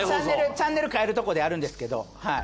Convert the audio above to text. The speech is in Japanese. チャンネル変えるとこであるんですけどはい。